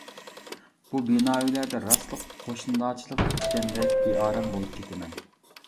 بۇ بىنا ئۆيلەردە راسلا قوشنىدارچىلىق تۈگىگەندەك بىئارام بولۇپ كېتىمەن.